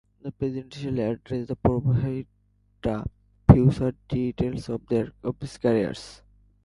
His presidential address provides further details of his career.